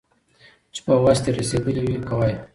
چي په وس دي رسېدلي وي كوه يې